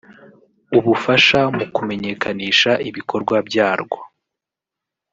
ubufasha mu kumenyekanisha ibikorwa byarwo